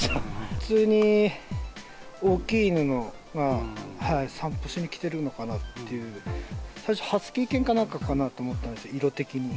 普通に大きい犬が散歩しに来てるのかなっていう、最初、ハスキー犬かなんかかなと思ったんです、色的に。